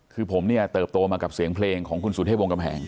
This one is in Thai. คือผมเนี่ยเติบโตมากับเสียงเพลงของคุณสุเทพวงกำแหง